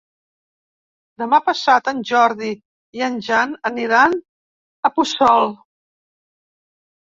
Demà passat en Jordi i en Jan aniran a Puçol.